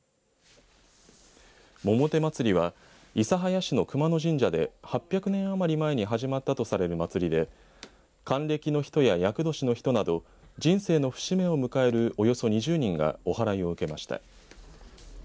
百手まつりは諫早市の熊野神社で８００年余り前に始まったとされる祭りで還暦の人や厄年の人など人生の節目を迎えるおよそ２０人がおはらいを受けました。